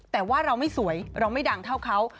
แต่ว่าเราไม่สวยเราไม่ดังเท่าเขา